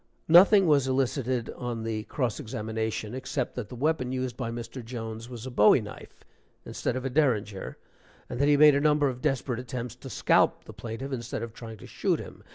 (Nothing was elicited on the cross examination, except that the weapon used by Mr. Jones was a bowie knife instead of a derringer, and that he made a number of desperate attempts to scalp the plaintiff instead of trying to shoot him.